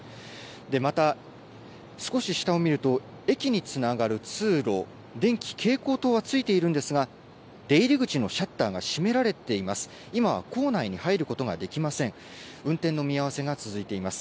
また少し下を見ると駅につながる通路、電気、蛍光灯はついているんですが、出入り口のシャッターが閉められています。